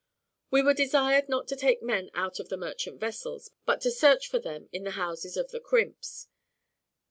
We were desired not to take men out of the merchant vessels, but to search for them in the houses of the crimps.